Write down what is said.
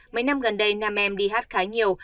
mấy năm gần đây nam em đi hát khá nhiều